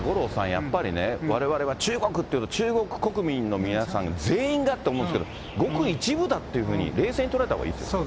やっぱりね、われわれは中国っていうと、中国国民の皆さん全員がと思うんですけど、ごく一部だっていうふうに、冷静に捉えたほうがいいですね。